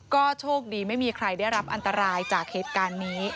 ก็โชคดีไม่มีใครได้รับอันตรายจากเหตุการณ์นี้